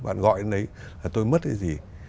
bạn gọi đến đấy là tôi mất cái gì